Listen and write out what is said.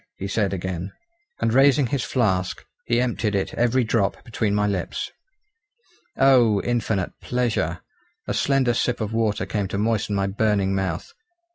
he said again. And raising his flask he emptied it every drop between my lips. Oh! infinite pleasure! a slender sip of water came to moisten my burning mouth.